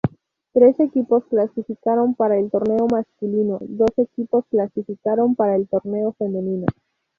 Tres equipos clasificaron para el torneo masculino, dos equipos clasificaron para el torneo femenino.